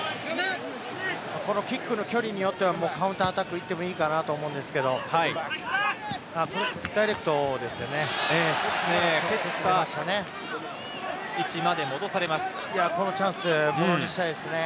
キックの距離によってはカウンターアタック行ってもいいかなと思うんですけど、ダイレクトでしたよね。